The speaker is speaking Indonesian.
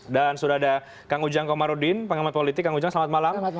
dan sudah ada kang ujang komarudin penghemat politik kang ujang selamat malam